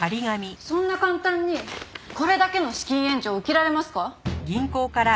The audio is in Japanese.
そんな簡単にこれだけの資金援助を受けられますか？